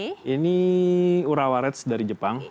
ini urawarets dari jepang